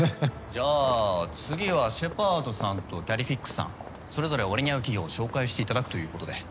じゃあ次はシェパードさんとキャリフィックスさんそれぞれ俺に合う企業を紹介していただくということで。